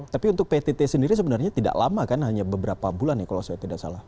tapi untuk ptt sendiri sebenarnya tidak lama kan hanya beberapa bulan ya kalau saya tidak salah